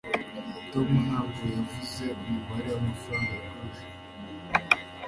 tom ntabwo yavuze umubare w'amafaranga yakoresheje